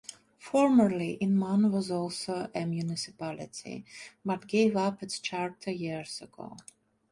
Formerly, Inman was also a municipality, but gave up its charter years ago.